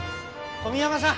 小宮山さん！